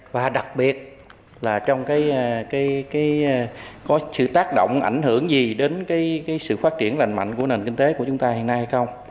và đặc biệt là trong cái có sự tác động ảnh hưởng gì đến cái sự phát triển lành mạnh của nền kinh tế của chúng ta hiện nay hay không